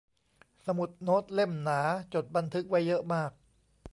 สมุดโน้ตเล่มหนา จดบันทึกไว้เยอะมาก